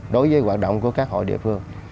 đối với hoạt động của các hội địa phương